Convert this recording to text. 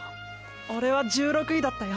オレは１６位だったよ。